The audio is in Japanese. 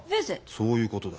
そういうことだよ。